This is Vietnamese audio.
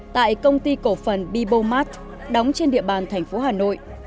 tại công ty cổ phần bibomart đóng trên địa bàn thành phố hà nội